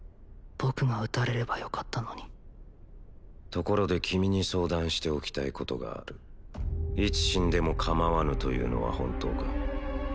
僕が撃たれればよかったのにところで君に相談しておきたいことがあるいつ死んでもかまわぬというのは本当か？